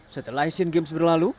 setelah asian games berlalu